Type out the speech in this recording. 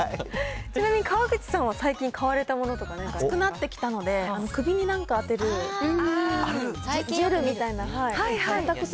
ちなみに川口さんは最近、買われたものとか、何かありますか暑くなってきたので、首になんか当てる、ジェルみたいな。え？